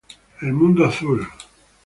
El mundo azul.